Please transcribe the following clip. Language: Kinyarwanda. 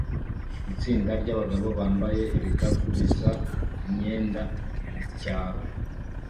Itsinda ryabagabo bambaye ibikapu bisa imyenda mucyaro